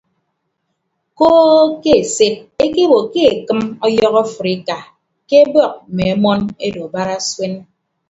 Koo ke esed ekebo ke ekịm ọyọhọ afrika ke ebọk mme ọmọn edo barasuen.